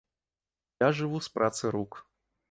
Я жыву з працы рук.